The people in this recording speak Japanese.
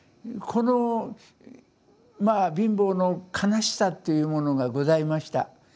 このまあ貧乏の悲しさというものがございました。